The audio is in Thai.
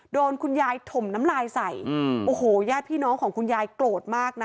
โดนคุณยายถมน้ำลายใส่โอ้โหญาติพี่น้องของคุณยายโกรธมากนะ